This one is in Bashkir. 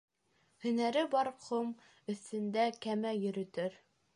Һөнәре бар ҡом өҫтөндә кәмә йөрөтөр.